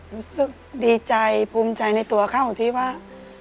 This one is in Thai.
รู้สึกดีใจภูมิใจในตัวเขาที่ว่า